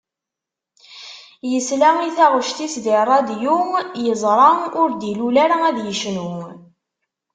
Yesla i taγect-is di ṛṛadiu yezṛa ur d-ilul ara ad yecnu.